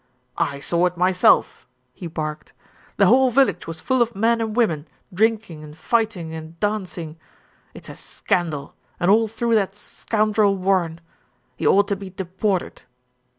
"I saw it myself," he barked. "The whole village was full of men and women, drinking and fighting and dancing. It's a scandal, and all through that scoundrel Warren. He ought to be deported."